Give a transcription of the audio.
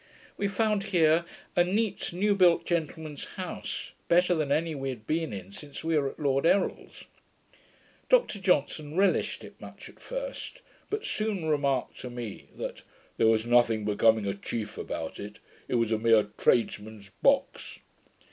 We found here a neat new built gentleman's house, better than any we had been in since we were at Lord Errol's. Dr Johnson relished it much at first, but soon remarked to me, that 'there was nothing becoming a chief about it: it was a mere tradesman's box.'